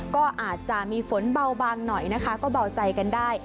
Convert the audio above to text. ก็อาจจะมีฝนเบาบางหน่อยนะคะก็เบาใจกันได้